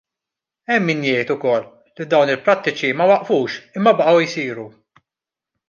Hemm min jgħid ukoll li dawn il-prattiċi ma waqfux imma baqgħu jsiru.